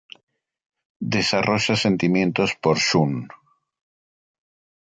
Desarrolla sentimientos por Shun.